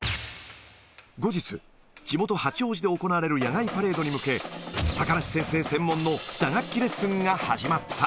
後日、地元八王子で行われる野外パレードに向け、高梨先生専門の打楽器レッスンが始まった。